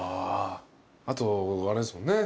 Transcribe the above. あとあれですもんね？